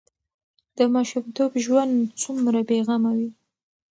د ماشومتوب ژوند څومره بې غمه وي.